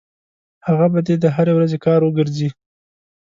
هغه به دې د هرې ورځې کار وګرځي.